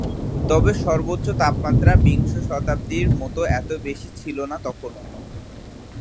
তবে সর্বোচ্চ তাপমাত্রা বিংশ শতাব্দীর মতো এত বেশি ছিল না তখনও।